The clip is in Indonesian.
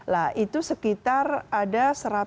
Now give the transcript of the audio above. lah itu sekitar ada satu ratus tujuh puluh satu